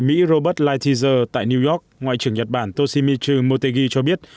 thương mại mỹ robert lighthizer tại new york ngoại trưởng nhật bản toshimitsu motegi cho biết